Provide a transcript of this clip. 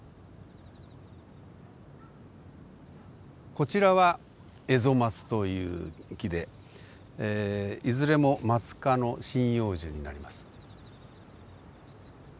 こちらはエゾマツという木でいずれもマツ科の針葉樹になります。